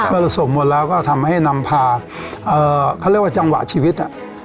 เราส่งหมดแล้วก็ทำให้นำพาเขาเรียกว่าจังหวะชีวิต